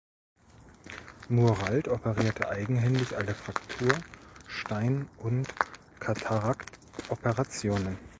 Muralt operierte eigenhändig alle Fraktur-, Stein- und Katarakt-Operationen.